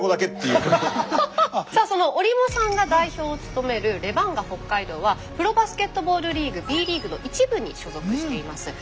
その折茂さんが代表を務めるレバンガ北海道はプロバスケットボールリーグ「Ｂリーグ」の１部に所属しています。